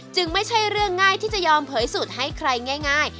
ไม่ใช่เรื่องง่ายที่จะยอมเผยสูตรให้ใครง่าย